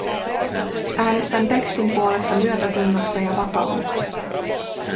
Äänestän tekstin puolesta myötätunnosta ja vakaumuksesta.